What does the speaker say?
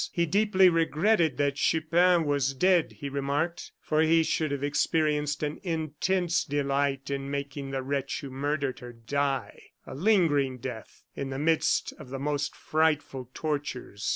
He deeply regretted that Chupin was dead, he remarked, for he should have experienced an intense delight in making the wretch who murdered her die a lingering death in the midst of the most frightful tortures.